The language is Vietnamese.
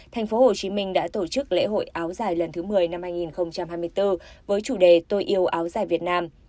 tp hcm đã tổ chức lễ hội áo dài lần thứ một mươi năm hai nghìn hai mươi bốn với chủ đề tôi yêu áo dài việt nam